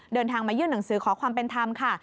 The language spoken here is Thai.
เดินทางมายื่นหนังสือขอความเป็นธรรมค่ะ